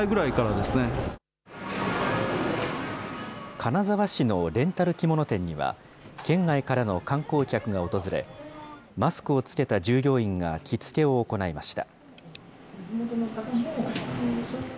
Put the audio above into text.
金沢市のレンタル着物店には、県外からの観光客が訪れ、マスクを着けた従業員が着付けを行いました。